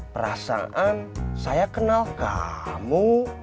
perasaan saya kenal kamu